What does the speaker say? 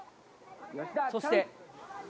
そして。